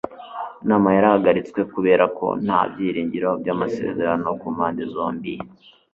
inama yarahagaritswe kubera ko nta byiringiro by'amasezerano ku mpande zombi